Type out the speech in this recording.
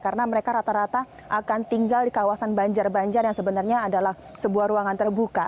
karena mereka rata rata akan tinggal di kawasan banjar banjar yang sebenarnya adalah sebuah ruangan terbuka